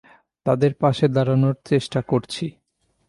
তাঁদের পাশে দাঁড়ানোর চেষ্টা করেছি।